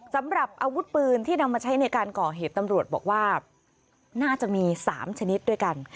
สำหรับอาวุธปืนที่นำมาใช้ในการก่อเหตุตำรวจบอกว่าน่าจะมี๓ชนิดด้วยกัน